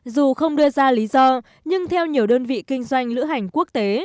dù không đưa ra lý do nhưng theo nhiều đơn vị kinh doanh lữ hành quốc tế